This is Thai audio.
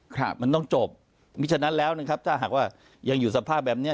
ครับมันต้องจบมีฉะนั้นแล้วนะครับถ้าหากว่ายังอยู่สภาพแบบเนี้ย